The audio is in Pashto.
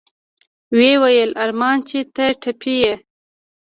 ويې ويل ارمان چې ته ټپي يې.